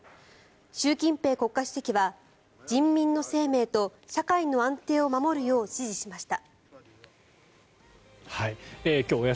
習近平国家主席は人民の生命と社会の安定を守るよう指示しました。